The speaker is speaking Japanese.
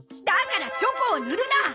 だからチョコを塗るな！